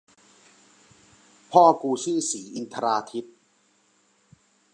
พ่อกูชื่อศรีอินทราทิตย์